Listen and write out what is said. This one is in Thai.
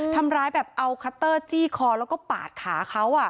ทำร้ายแบบเอาคัตเตอร์จี้คอแล้วก็ปาดขาเขา